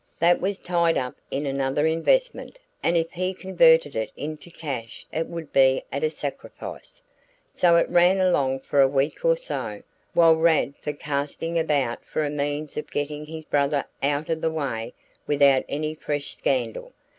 That was tied up in another investment and if he converted it into cash it would be at a sacrifice. So it ran along for a week or so, while Rad was casting about for a means of getting his brother out of the way without any fresh scandal.